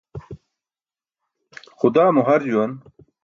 Xudaa mo har juwan.